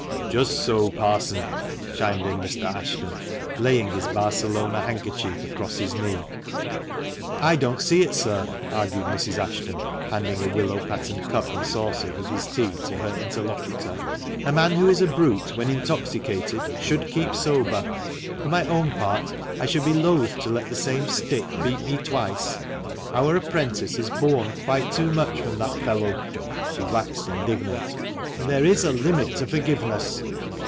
" Just so, Parson !" chimed in Mr. Ashton, laying his Barcelona handkerchief across his knee. " I don't see it, sir," argued Mrs. Ashton, handing a willow patterned cup and saucer, with his tea, to her interlocutor ;" a man who is a brute when intoxicated should keep sober. For my own part, I should be loth to let the same stick beat me twice. Our apprentice has borne quite too much from that fellow " (she waxed indignant), "and there is a limit to forgiveness."